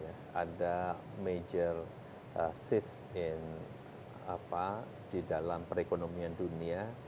ada major shift in di dalam perekonomian dunia